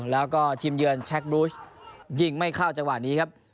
แล้วก็ทีมเยือนแชคบลูชยิงไม่เข้าจังหวะนี้ครับ